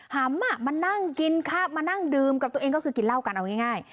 หำมานั่งกินข้าวมานั่งดื่มกับตัวเองก็คือกินเหล้ากันเอาง่าย